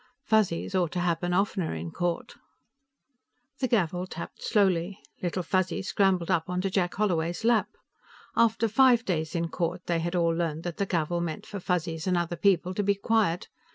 Fuzzies ought to happen oftener in court. The gavel tapped slowly. Little Fuzzy scrambled up onto Jack Holloway's lap. After five days in court, they had all learned that the gavel meant for Fuzzies and other people to be quiet.